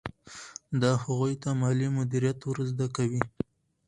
دا هغوی ته مالي مدیریت ور زده کوي.